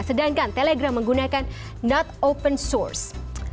sedangkan telegram menggunakan not open source